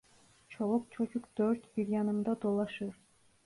Çoluk çocuk dört bir yanımda dolaşır.